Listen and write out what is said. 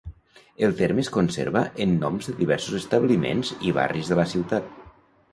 El terme es conserva en noms de diversos establiments i barris de la ciutat.